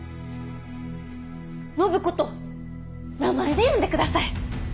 「暢子」と名前で呼んでください。